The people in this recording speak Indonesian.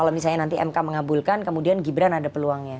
kalau misalnya nanti mk mengabulkan kemudian gibran ada peluangnya